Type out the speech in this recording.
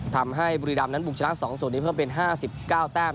ทำให้บุรีดามนั้นบุกจนาค๒สูตรนี้เพิ่มเป็น๕๙แต้ม